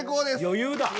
余裕だ。